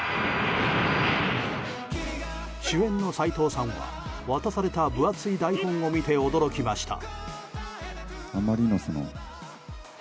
主演の斎藤さんは渡された分厚い台本を見て驚きました。